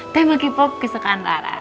teman hip hop kesukaan rara